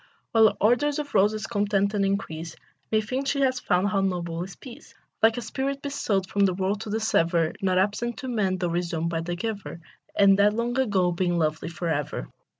While ardors of roses contend and increase, Methinks she has found how noble is peace, Like a spirit besought from the world to dissever, Not absent to men, tho' resumed by the Giver, And dead long ago, being lovely for ever.